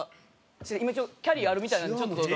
今キャリーあるみたいなんでちょっと。